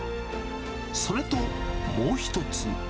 それと、もう１つ。